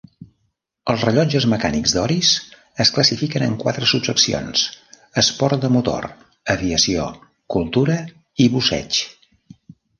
Els rellotges mecànics d'Oris es classifiquen en quatre subseccions: esport de motor, aviació, cultura i busseig.